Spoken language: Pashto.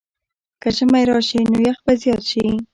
که ژمی راشي، نو یخ به زیات شي.